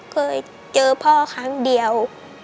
เคยเจอพ่อครั้งเดียว